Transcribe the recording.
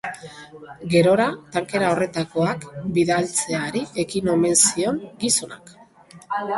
Gerora, tankera horretakoak bidaltzeari ekin omen zion gizonak.